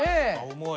重い。